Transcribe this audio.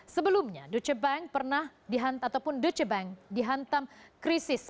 sebelumnya deutsche bank pernah dihantam krisis